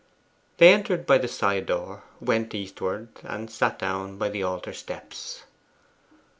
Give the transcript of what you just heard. They entered by the side door, went eastward, and sat down by the altar steps.